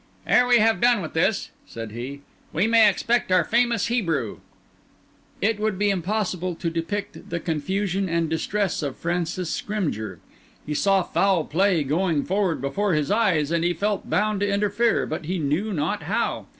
"Ere we have done with this," said he, "we may expect our famous Hebrew." It would be impossible to depict the confusion and distress of Francis Scrymgeour. He saw foul play going forward before his eyes, and he felt bound to interfere, but knew not how.